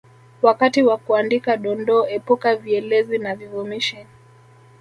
Wakati wa kuandika Dondoo epuka vielezi na vivumishi